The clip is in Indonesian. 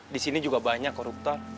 di sini juga banyak koruptor